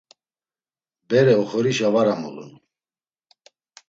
Bere oxorişe var amulun.